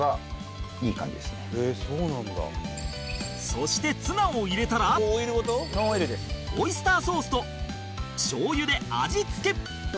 そしてツナを入れたらオイスターソースと醤油で味付け